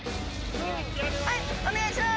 はいお願いします。